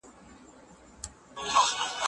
موږ به په راتلونکي کې د نړۍ په کچه وځلېږو.